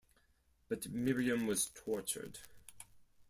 But Miriam was tortured.